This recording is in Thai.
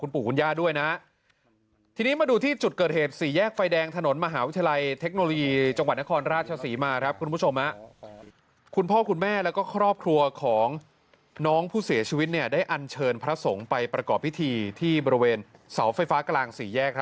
ผู้เสียชีวิตได้อันเชิญพระสงฆ์ไปประกอบพิธีที่บริเวณเสาไฟฟ้ากลางสี่แยก